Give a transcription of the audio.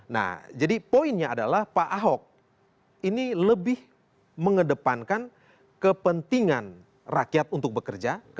nah jadi poinnya adalah pak ahok ini lebih mengedepankan kepentingan rakyat untuk bekerja